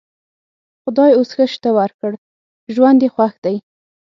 خدای اوس ښه شته ورکړ؛ ژوند یې خوښ دی.